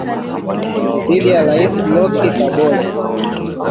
dhidi ya Rais Roch Kabore